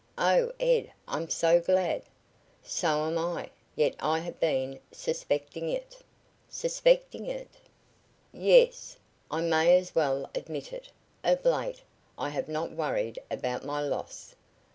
"Oh, Ed! I'm so glad!" "So am I, yet I have been suspecting it." "Suspecting it?" "Yes. I may as well admit it, of late I have not worried about my loss.